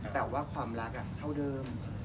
แต่ว่าความรักเท่าเดิม